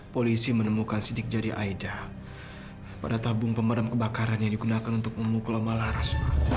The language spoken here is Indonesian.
polisi menemukan sidik jari aida pada tabung pemadam kebakaran yang digunakan untuk memukul nama laras